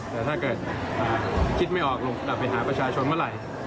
แต่ถ้าเกิดคิดไม่ออกลงกลับไปหาประชาชนเมื่อไหร่